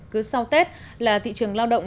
cứ sau tết là thị trường lao động